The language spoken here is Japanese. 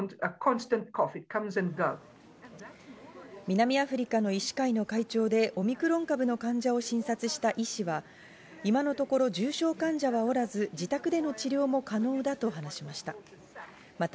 南アフリカの医師会の会長でオミクロン株の患者を診察した医師は、今のところ重症患者はおらず、自宅での治療も可能だと話しました。